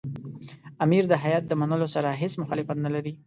امیر د هیات د منلو سره هېڅ مخالفت نه لري.